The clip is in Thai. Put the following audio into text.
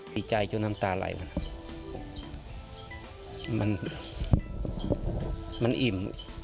ดีใจจนน้ำตาไหลมันอิ่ม